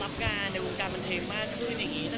ครับครับครับครับครับครับครับครับครับครับครับครับครับ